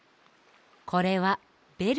これはベル。